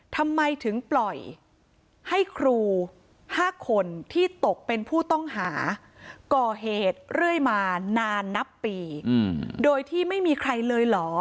ทำไมถึงปล่อยให้ครู๕คนที่ตกเป็นผู้ต้องหาก่อเหตุเรื่อยมานานนับปีโดยที่ไม่มีใครเลยเหรอ